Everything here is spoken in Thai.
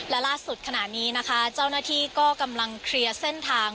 และล่าสุดขณะนี้นะคะเจ้าหน้าที่ก็กำลังเคลียร์เส้นทาง